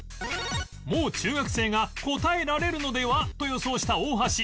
もう中学生が答えられるのでは？と予想した大橋